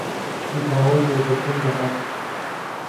داوای لێبوردن دەکەم